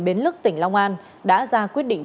bến lức tỉnh long an đã ra quyết định